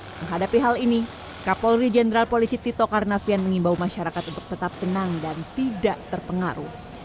menghadapi hal ini kapolri jenderal polisi tito karnavian mengimbau masyarakat untuk tetap tenang dan tidak terpengaruh